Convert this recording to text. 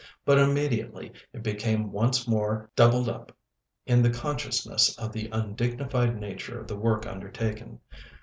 But immediately it became once more doubled up in the consciousness of the undignified nature of the work undertaken.